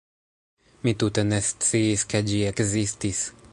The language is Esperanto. Mi tute ne sciis ke ĝi ekzistis.